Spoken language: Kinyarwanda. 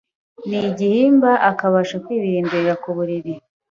n’igihimba akabasha kwibirindurira ku buriri,